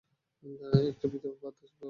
একটু বাতাস নিতে।